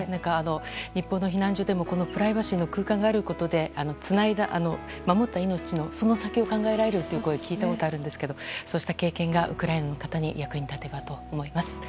日本の避難所でもこのプライバシーの空間があるだけでつないだ、守った命のその先を考えられるって声を聞いたことがあるんですけどそうした経験がウクライナの人のために役に立てばと思います。